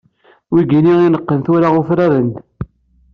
Wigi ineqqen tura ufraren-d.